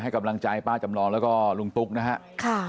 กำลังใจป้าจำลองแล้วก็ลุงตุ๊กนะฮะ